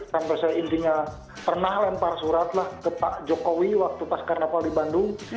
sampai saya intinya pernah lempar surat lah ke pak jokowi waktu pas karnaval di bandung